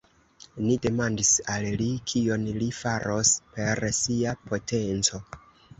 Ni demandis al li, kion li faros per sia potenco.